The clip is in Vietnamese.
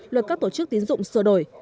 luật các tổ chức tín dụng sửa đổi